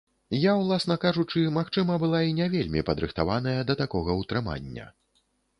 Я, ўласна кажучы, магчыма, была і не вельмі падрыхтаваная да такога ўтрымання.